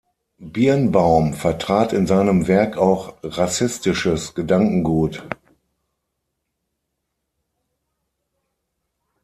Birnbaum vertrat in seinem Werk auch rassistisches Gedankengut.